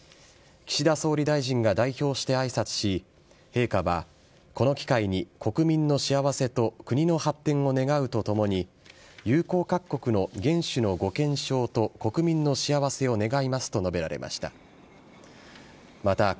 岸田総理大臣が代表してあいさつし、陛下は、この機会に国民の幸せと国の発展を願うとともに、友好各国の元首のご健勝と国民の幸せを願いますと述べられました。